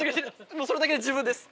もうそれだけで十分です。